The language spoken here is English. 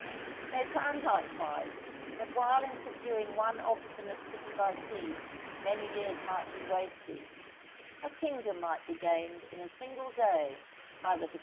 They found, likewise, that while in subduing one obstinate city by siege many years might be wasted, a kingdom might be gained in a single day by the defeat of a hostile army in the field.